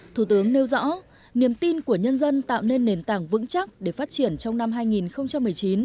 thủ tướng nêu rõ niềm tin của nhân dân tạo nên nền tảng vững chắc để phát triển trong năm hai nghìn một mươi chín